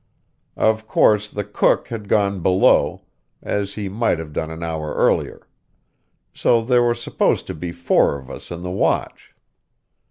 Of course the cook had gone below, as he might have done an hour earlier; so there were supposed to be four of us in the watch.